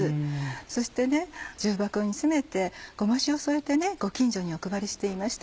そして重箱に詰めてごま塩添えてご近所にお配りしていました。